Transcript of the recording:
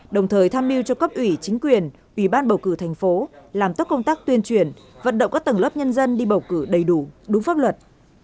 đồng thời tham mưu cho cấp ủy chính quyền ủy ban bầu cử thành phố làm tốt công tác tuyên truyền vận động các tầng lớp nhân dân đi bầu cử đầy đủ đúng pháp luật